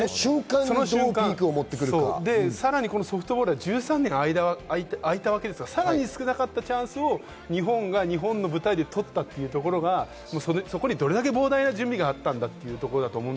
その瞬間、さらにソフトボールは１３年、間が空いたわけでさらに少なかったチャンスを日本が日本の舞台で取ったというところで、そこに膨大な準備がどれだけあったのかという。